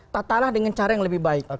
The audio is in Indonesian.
tatalah dengan cara yang lebih baik